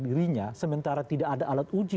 dirinya sementara tidak ada alat uji